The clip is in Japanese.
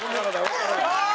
ああ！